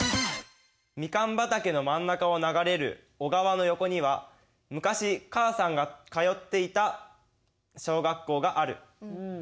「蜜柑畑の真ん中を流れる小川の横には昔母さんが通っていた小学校がある」。